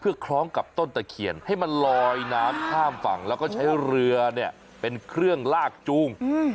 คล้องกับต้นตะเคียนให้มันลอยน้ำข้ามฝั่งแล้วก็ใช้เรือเนี่ยเป็นเครื่องลากจูง